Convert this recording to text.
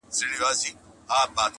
د دوی د موقتي او لړزانه امنیت سره سره -